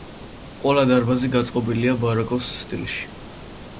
ყველა დარბაზი გაწყობილია ბაროკოს სტილში.